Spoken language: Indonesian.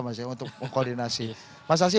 mas ya untuk koordinasi mas asyi